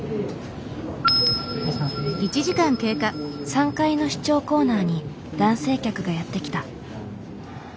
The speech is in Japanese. ３階の試聴コーナーに男性客がやって来た。